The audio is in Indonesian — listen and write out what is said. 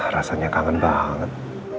rasanya kangen banget